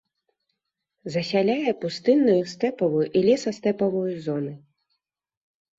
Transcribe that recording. Засяляе пустынную, стэпавую і лесастэпавую зоны.